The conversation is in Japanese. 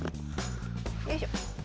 よいしょ。